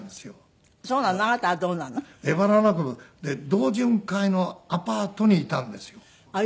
同潤会のアパートにいたんですよ。